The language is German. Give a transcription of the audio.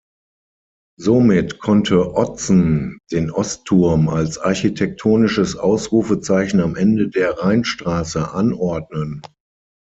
Somit konnte Otzen den Ostturm als architektonisches Ausrufezeichen am Ende der Rheinstraße anordnen.